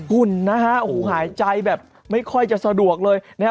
ฝุ่นนะฮะหายใจแบบไม่ค่อยจะสะดวกเลยนะครับ